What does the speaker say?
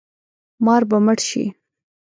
مار به مړ شي